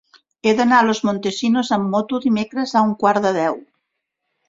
He d'anar a Los Montesinos amb moto dimecres a un quart de deu.